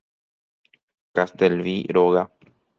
Castelví róga.